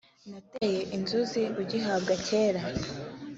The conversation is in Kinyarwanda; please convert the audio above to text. Nateye inzuzi ugihabwa kera